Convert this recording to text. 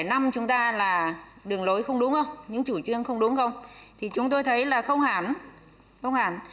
nếu chúng ta là đường lối không đúng không những chủ trương không đúng không thì chúng tôi thấy là không hẳn